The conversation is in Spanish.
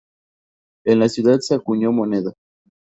En la ciudad se acuñó moneda.